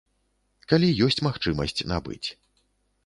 Калі ёсць магчымасць набыць.